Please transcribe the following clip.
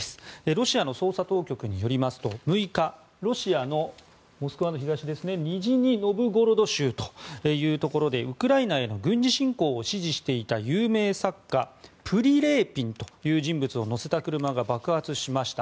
ロシアの捜査当局によりますと６日、ロシアのモスクワの東のニジニ・ノブゴロド州というところでウクライナへの軍事侵攻を支持していた有名作家プリレーピンという人物を乗せた車が爆発しました。